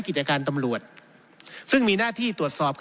หนึ่งในกรรมนิการของสภานิติบัญญัติก็คือ